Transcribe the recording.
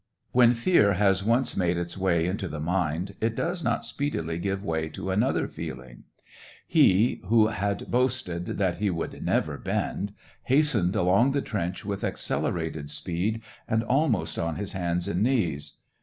When fear has once made its way into the mind, it does not speedily give way to another feeling. He, who had boasted that he would SEVASTOPOL IN MAY. gj never bend, hastened along the trench with accelerated speed, and almost on his hands and knees.